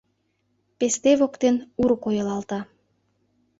Песте воктен Ур койылалта.